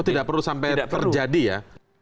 itu tidak perlu sampai terjadi ya